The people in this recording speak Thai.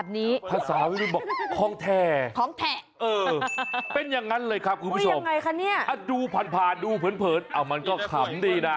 บาทเป็นศูนย์ภาพเป็นเจ็ด